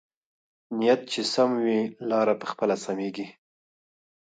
نیت چې سم وي، لاره پخپله سمېږي.